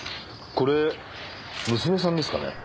これ娘さんですかね？